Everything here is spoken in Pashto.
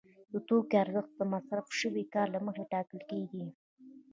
د توکي ارزښت د مصرف شوي کار له مخې ټاکل کېږي